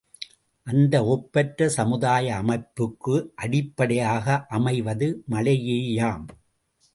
இந்த ஒப்பற்ற சமுதாய அமைப்புக்கு அடிப்படையாக அமைவது மழையேயாம்.